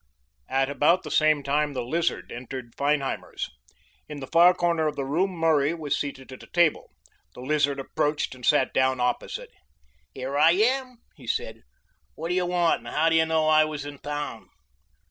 At about the same time the Lizard entered Feinheimer's. In the far corner of the room Murray was seated at a table. The Lizard approached and sat down opposite him. "Here I am," he said. "What do you want, and how did you know I was in town?"